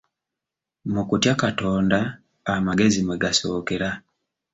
Mu kutya Katonda amagezi mwe gasookera.